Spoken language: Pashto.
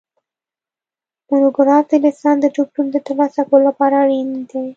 مونوګراف د لیسانس د ډیپلوم د ترلاسه کولو لپاره اړین دی